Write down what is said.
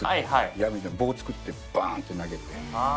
矢みたいな棒を作ってバーン！って投げて。